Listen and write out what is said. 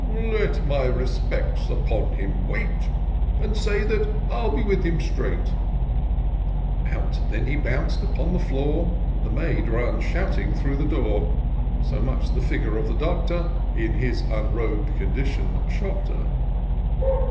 " Let my respects upon him wait, And say that I'll be with him straight." Out then he boimc'd upon the floor: The maid ran shouting through the door, 140 TOUR OF DOCTOR SYNTAX So much the figure of the Doctor, In his unrob'd condition, shock'd her.